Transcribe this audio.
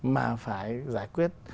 mà phải giải quyết